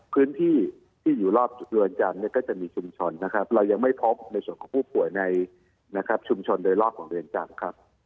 พื้นที่ที่อยู่รอบเรือนจำเนี่ยก็จะมีชุมชนนะครับเรายังไม่พบในส่วนของผู้ป่วยในนะครับชุมชนโดยรอบของเรือนจำครับ